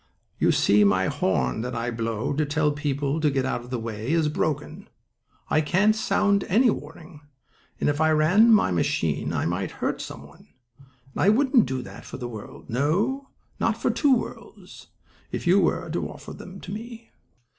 You see my horn, that I blow to tell people to get out of the way, is broken. I can't sound any warning, and if I ran my machine I might hurt some one; and I wouldn't do that for the world; no, not for two worlds, if you were to offer them to me."